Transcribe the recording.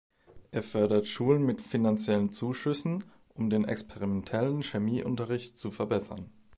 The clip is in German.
Er fördert Schulen mit finanziellen Zuschüssen, um den experimentellen Chemieunterricht zu verbessern.